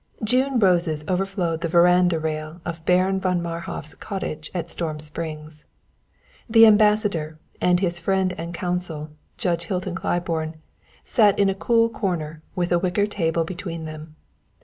June roses overflowed the veranda rail of Baron von Marhof's cottage at Storm Springs. The Ambassador and his friend and counsel, Judge Hilton Claiborne, sat in a cool corner with a wicker table between them.